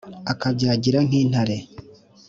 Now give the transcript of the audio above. akabyagira nk’intare.